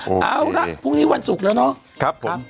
โอเคเอาล่ะพรุ่งนี้วันสุขแล้วเนอะครับผม